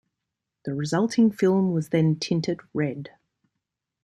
The resulting film was then tinted red.